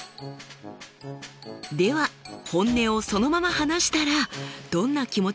では本音をそのまま話したらどんな気持ちになるんでしょうか？